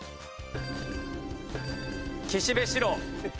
岸部四郎。